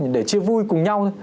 để chia vui cùng nhau